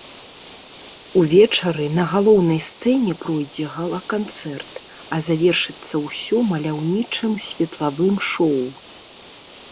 Увечары на галоўнай сцэне пройдзе гала-канцэрт, а завершыцца ўсё маляўнічым светлавым шоу.